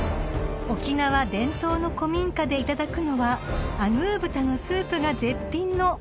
［沖縄伝統の古民家でいただくのはアグー豚のスープが絶品の］